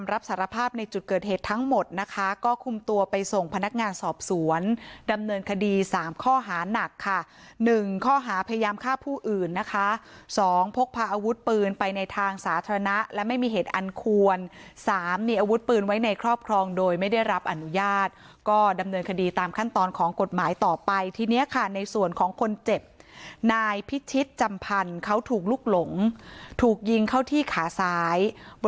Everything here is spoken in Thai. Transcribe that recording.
รับสารภาพในจุดเกิดเหตุทั้งหมดนะคะก็คุมตัวไปส่งพนักงานสอบสวนดำเนินคดี๓ข้อหานักค่ะ๑ข้อหาพยายามฆ่าผู้อื่นนะคะสองพกพาอาวุธปืนไปในทางสาธารณะและไม่มีเหตุอันควรสามมีอาวุธปืนไว้ในครอบครองโดยไม่ได้รับอนุญาตก็ดำเนินคดีตามขั้นตอนของกฎหมายต่อไปทีนี้ค่ะในส่วนของคนเจ็บนายพิชิตจำพันธ์เขาถูกลุกหลงถูกยิงเข้าที่ขาซ้ายบ